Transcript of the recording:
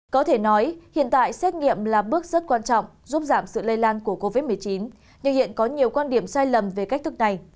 có thể nói hiện tại xét nghiệm là bước rất quan trọng giúp giảm sự lây lan của covid một mươi chín nhưng hiện có nhiều quan điểm sai lầm về cách thức này